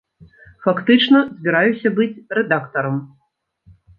Фактычна, збіраюся быць рэдактарам.